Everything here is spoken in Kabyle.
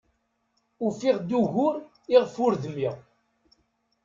Ufiɣ-d ugur iɣef ur dmiɣ.